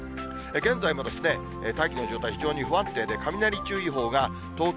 現在も大気の状態、非常に不安定で、雷注意報が東京、